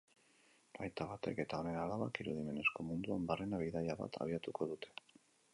Aita batek eta honen alabak irudimenezko munduan barrena bidaia bat abiatuko dute.